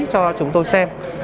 cho chúng tôi xem